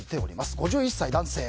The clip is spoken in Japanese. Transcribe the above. ５１歳男性。